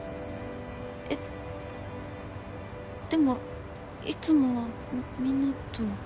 えっでもいつもみんなと。